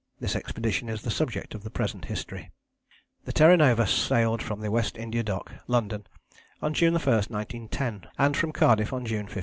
This expedition is the subject of the present history. The Terra Nova sailed from the West India Dock, London, on June 1, 1910, and from Cardiff on June 15.